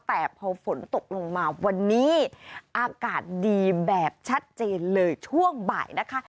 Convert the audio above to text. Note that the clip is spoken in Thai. แต่พอฝนตกลงมาวันนี้อากาศดีแบบชัดเจนเลยช่วงบ่ายนะคะ